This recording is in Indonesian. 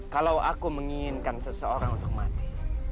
kalau aku menginginkan seseorang untuk mati